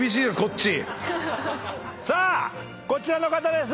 さあこちらの方です。